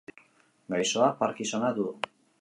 Gaixoak Parkinsona du.